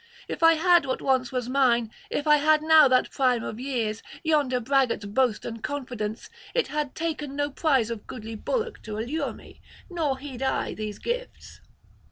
If I had what once was mine, if I had now that prime of years, yonder braggart's boast and confidence, it had taken no prize of goodly bullock to allure me; nor heed I these gifts.'